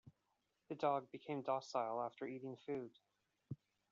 The dog became docile after eating food.